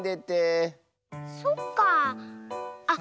そっかあ。